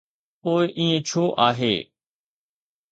پوءِ ائين ڇو آهي؟